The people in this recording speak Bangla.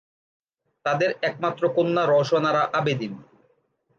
তাদের একমাত্র কন্যা রওশন আরা আবেদীন।